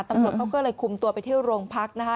ตำรวจเขาก็เลยคุมตัวไปเที่ยวโรงพักนะคะ